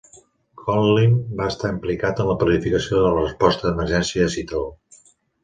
Conlin va estar implicat en la planificació de la resposta d'emergència a Seattle.